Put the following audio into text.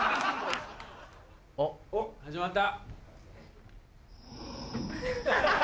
おっ始まった。